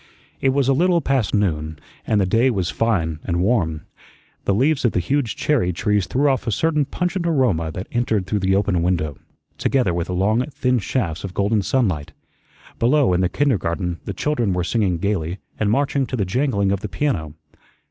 It was a little past noon, and the day was fine and warm. The leaves of the huge cherry trees threw off a certain pungent aroma that entered through the open window, together with long thin shafts of golden sunlight. Below, in the kindergarten, the children were singing gayly and marching to the jangling of the piano.